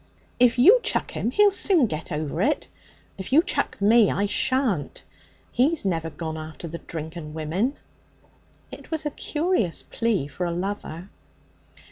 'If you chuck him, he'll soon get over it; if you chuck me, I shan't. He's never gone after the drink and women.' It was a curious plea for a lover.